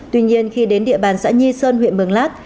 tuy nhiên khi đến địa bàn xã nhi sơn huyện mường lát